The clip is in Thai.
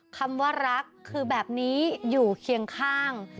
คำว่ารักคือแบบนี้อยู่เคียงข้าง